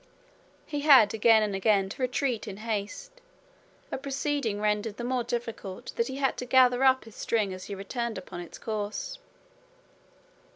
He had again and again to retreat in haste, a proceeding rendered the more difficult that he had to gather up his string as he returned upon its course.